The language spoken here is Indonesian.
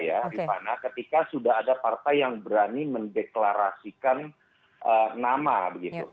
rifana ketika sudah ada partai yang berani mendeklarasikan nama begitu